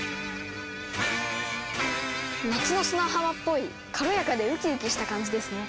夏の砂浜っぽい軽やかでウキウキした感じですね。